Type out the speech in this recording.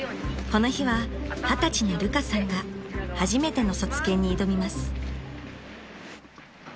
［この日は二十歳のルカさんが初めての卒検に挑みます］